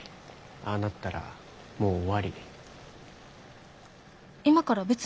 ああなったらもう終わり。